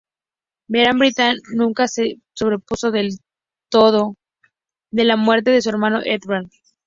Vera Brittain nunca se sobrepuso del todo de la muerte de su hermano Edward.